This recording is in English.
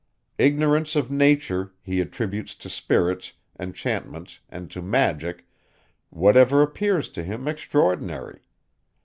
Ignorant of nature, he attributes to spirits, enchantments, and to magic, whatever appears to him extraordinary.